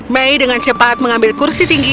mei dengan cepat mengambil kursi tinggi